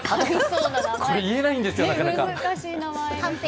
言えないんですよ、なかなか。